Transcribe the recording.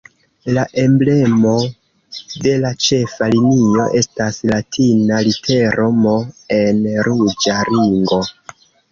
La emblemo de la ĉefa linio estas latina litero "M" en ruĝa ringo.